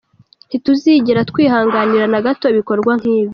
Ntituzigera twihanganira na gato ibikorwa nk’ibi.